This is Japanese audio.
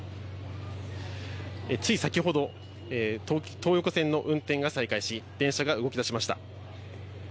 つい先ほど東横線の運転が再開し電車が動き出しました。